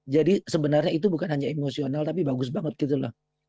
jadi sebenarnya itu bukan hanya emosional tapi bagus banget gitu loh